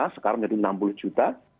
sekarang jadi rp enam puluh juta